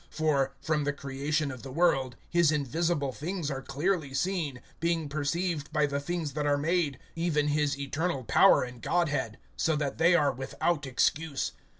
(20)For, from the creation of the world, his invisible things are clearly seen, being perceived by the things that are made, even his eternal power and Godhead; so that they are[1:20] without excuse.